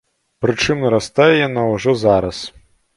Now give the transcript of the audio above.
Прычым нарастае яна ўжо зараз.